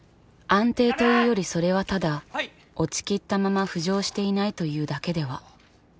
安定というよりそれはただ落ちきったまま浮上していないというだけでは。